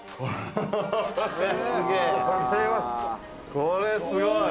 これ、すごい！